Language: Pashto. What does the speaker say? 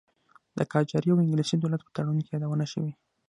د قاجاري او انګلیسي دولت په تړون کې یادونه شوې.